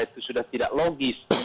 itu sudah tidak logis